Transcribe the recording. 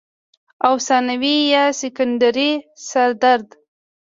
او ثانوي يا سيکنډري سردرد